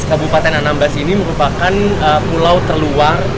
kabupaten anambas ini merupakan pulau terluar